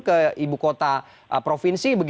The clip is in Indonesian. ke ibu kota provinsi